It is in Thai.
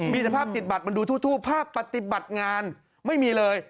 มีสภาพติดบัตรมันดูทูบภาพปฏิบัติงานไม่มีเลย